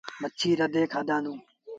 مڇيٚ رڌي کآدآنڌون۔